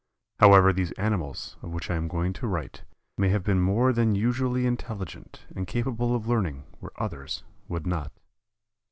However, these animals, of which I am going to write, may have been more than usually intelligent and capable of learning where others would not.